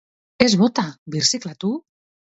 Ez bota, birziklatu!